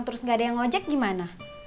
terus gak ada yang ngejek gimana